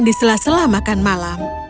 di sela sela makan malam